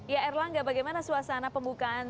ya erlangga bagaimana suasana pembukaan sea games